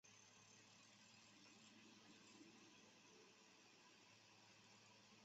人资小周末创办人